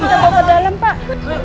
jambah ke dalam pak